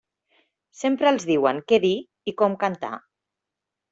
Sempre els diuen què dir i com cantar.